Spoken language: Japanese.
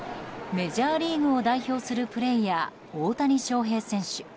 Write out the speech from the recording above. メジャーリーグを代表するプレーヤー、大谷翔平選手。